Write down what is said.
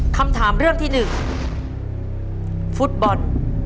คำถามเรื่องที่๑ฟุตบอล